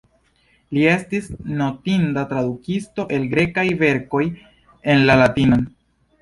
Li estis notinda tradukisto el grekaj verkoj en la latinan.